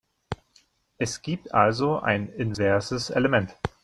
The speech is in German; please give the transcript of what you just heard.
Es gibt also ein inverses Element.